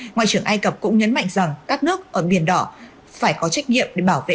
ngoại trưởng ai cập cũng nhấn mạnh rằng các nước ở biển đỏ phải có trách nhiệm